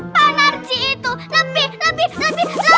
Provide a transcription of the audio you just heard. pak narji itu lebih lebih lebih